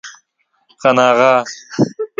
🍆 تور بانجان